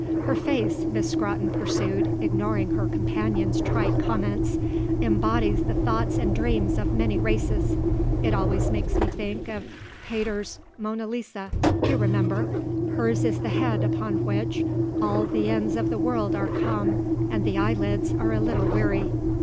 "Her face," Miss Scrotton pursued, ignoring her companion's trite comments, "embodies the thoughts and dreams of many races. It makes me always think of Pater's Mona Lisa you remember: 'Hers is the head upon which all the ends of the world are come and the eyelids are a little weary.'